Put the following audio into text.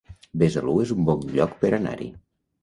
Besalú es un bon lloc per anar-hi